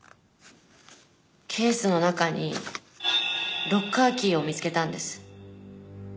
ケースの中にロッカーキーを見つけたんです。